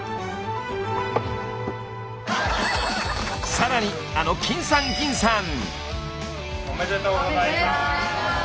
さらにあのおめでとうございます。